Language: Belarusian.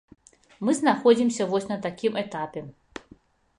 Мы знаходзімся вось на такім этапе.